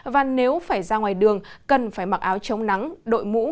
và nếu phải ra ngoài đường cần phải mặc áo chống nắng đội mũ